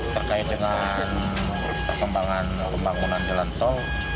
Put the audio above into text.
terkait dengan perkembangan pembangunan jalan tol